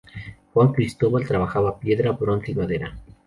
Juan Cristóbal trabajaba piedra, bronce y madera.